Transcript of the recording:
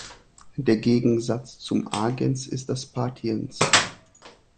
Der Gegensatz zum Agens ist das Patiens.